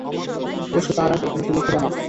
অবশ্য তার আগে তোমাকে লিখে জানাব।